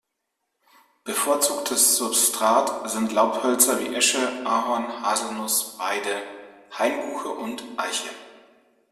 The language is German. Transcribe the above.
Bevorzugtes Substrat sind Laubhölzer, wie Esche, Ahorn, Haselnuss, Weide, Hainbuche und Eiche.